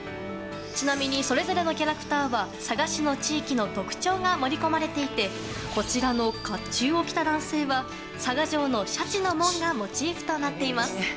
ちなみにそれぞれのキャラクターは佐賀市の地域の特徴が盛り込まれていてこちらの甲冑を着た男性は佐賀城の鯱の門がモチーフとなっています。